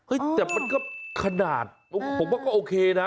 แต่มันก็ขนาดผมว่าก็โอเคนะ